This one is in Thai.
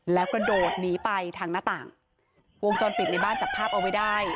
แล้วกระโดดหนีไปทางหน้าต่างวงจรปิดในบ้านจับภาพเอาไว้ได้